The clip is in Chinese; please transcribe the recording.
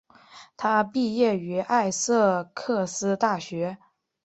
他毕业于艾塞克斯大学。